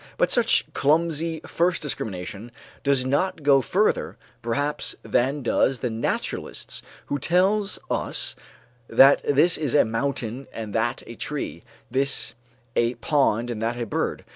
But such clumsy first discrimination does not go further, perhaps, than does the naturalist's, who tells us that this is a mountain and that a tree, this a pond and that a bird.